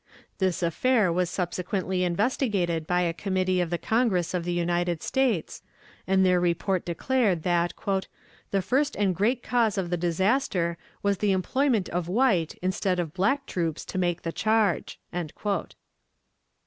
This affair was subsequently investigated by a committee of the Congress of the United States, and their report declared that "the first and great cause of the disaster was the employment of white instead of black troops to make the charge."